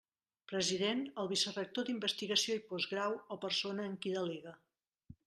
President: el vicerector d'Investigació i Postgrau, o persona en qui delegue.